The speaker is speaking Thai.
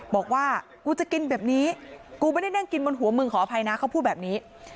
บอกว่ากูจะกินแบบนี้กูไม่ได้นั่งกินบนหัวมึงขออภัยนะเขาพูดแบบนี้